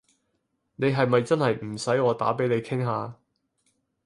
你係咪真係唔使我打畀你傾下？